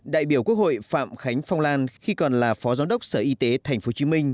đại biểu quốc hội phạm khánh phong lan khi còn là phó giám đốc sở y tế tp hcm